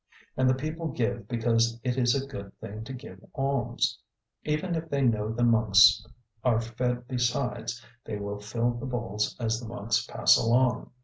And the people give because it is a good thing to give alms. Even if they know the monks are fed besides, they will fill the bowls as the monks pass along.